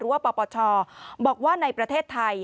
ว่าปปชบอกว่าในประเทศไทย